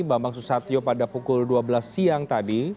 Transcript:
bambang susatyo pada pukul dua belas siang tadi